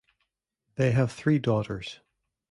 They have three daughters.